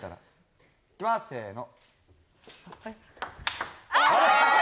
いきます、せーの。